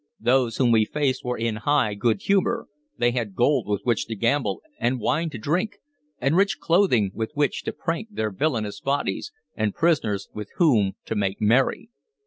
Those whom we faced were in high good humor: they had gold with which to gamble, and wine to drink, and rich clothing with which to prank their villainous bodies, and prisoners with whom to make merry.